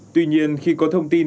tuy nhiên khi có thông tin